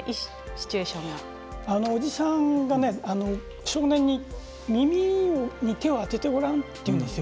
おじさんが少年に耳に手を当ててごらんと言うんです。